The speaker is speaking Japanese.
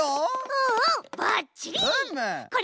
うんうんばっちり！